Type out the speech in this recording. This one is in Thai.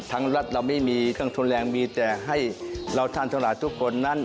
ทั้งรัฐเราไม่มีการทนแรงมีแต่ให้เราท่านทั้งหลายทุกคนนั้น